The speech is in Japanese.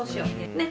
ねっ？